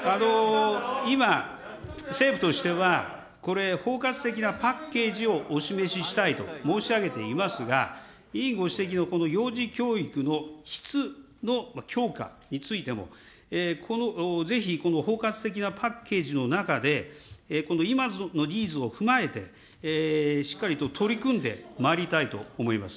今、政府としてはこれ、包括的なパッケージをお示ししたいと申し上げていますが、委員ご指摘のこの幼児教育の質の強化についても、ぜひこの包括的なパッケージの中で、今のニーズを踏まえて、しっかりと取り組んでまいりたいと思います。